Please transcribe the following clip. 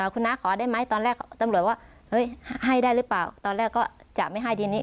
คุณน้าขอได้ไหมตอนแรกตำรวจว่าเฮ้ยให้ได้หรือเปล่าตอนแรกก็จะไม่ให้ทีนี้